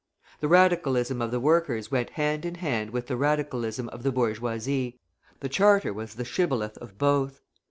The Radicalism of the workers went hand in hand with the Radicalism of the bourgeoisie; the Charter was the shibboleth of both.